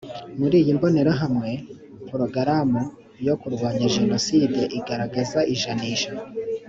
muri iyi mbonerahamwe porogaramu yo kurwanya jenoside igaragaza ijanisha